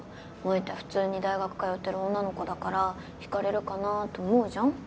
萌たゃ普通に大学通ってる女の子だから引かれるかなと思うじゃん。